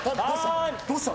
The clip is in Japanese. どうしたの？